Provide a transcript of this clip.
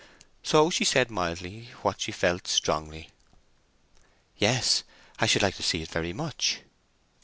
So she said mildly what she felt strongly. "Yes; I should like to see it very much."